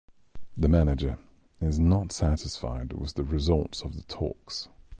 The Manager is not satisfied with the results of the talks.